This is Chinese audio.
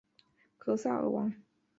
格萨尔王